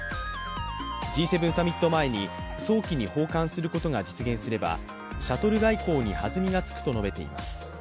Ｇ７サミット前に早期に訪韓することが実現すれば、シャトル外交に弾みがつくと述べています。